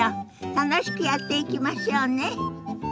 楽しくやっていきましょうね。